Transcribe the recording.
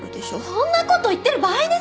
そんな事言ってる場合ですか！